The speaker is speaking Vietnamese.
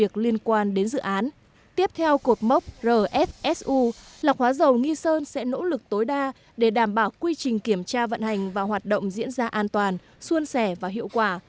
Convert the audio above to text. tiếp theo cột mốc rsu lọc hóa dầu nghi sơn sẽ nỗ lực tối đa để đảm bảo quy trình kiểm tra vận hành và hoạt động diễn ra an toàn xuân sẻ và hiệu quả